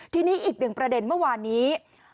ทีนี้อีกหนึ่งประเด็นเมื่อวานนี้